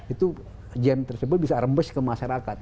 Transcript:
itu game tersebut bisa rembes ke masyarakat